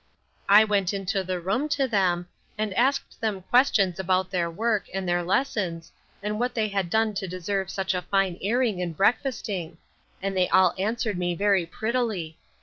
I went into the room to them, and asked them questions about their work, and their lessons; and what they had done to deserve such a fine airing and breakfasting; and they all answered me very prettily.